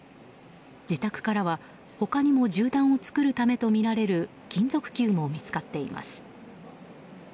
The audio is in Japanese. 自宅からは他にも銃弾を作るためとみられる金属球も見つかっています。